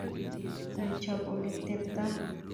Kichoba oleteptaa.